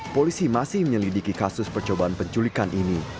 polisi masih menyelidiki kasus percobaan penculikan ini